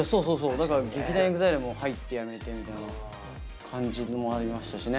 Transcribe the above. だから劇団ＥＸＩＬＥも入って辞めてみたいな感じもありましたしね。